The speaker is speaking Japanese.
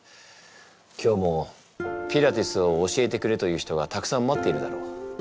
今日もピラティスを教えてくれという人がたくさん待っているだろう。